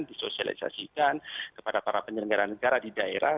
disosialisasikan kepada para penyelenggara negara di daerah